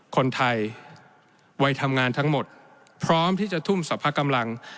คนไทยวัยทำงานทั้งหมดพร้อมที่จะทุ่มสรรพกำลัง